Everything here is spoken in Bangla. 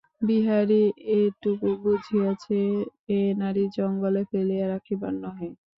বিহারী এটুকু বুঝিয়াছে, এ নারী জঙ্গলে ফেলিয়া রাখিবার নহে।